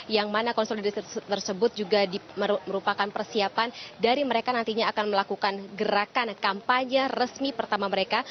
yang mana konsolidasi tersebut juga merupakan persiapan dari mereka nantinya akan melakukan gerakan kampanye resmi pertama mereka